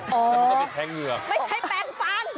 ไม่ใช่แปลงฟัง